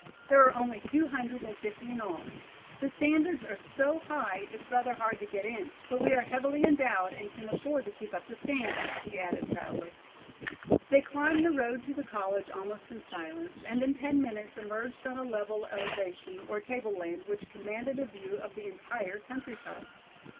"There are only two hundred and fifty in all. The standards are so high it's rather hard to get in, but we are heavily endowed and can afford to keep up the standards," he added proudly. They climbed the road to the college almost in silence and in ten minutes emerged on a level elevation or table land which commanded a view of the entire countryside.